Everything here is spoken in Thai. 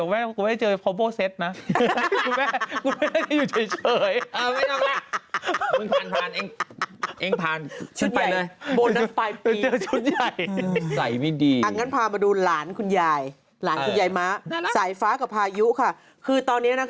ว่าอาจอ่านเสร็จเหมือนกันเหลือ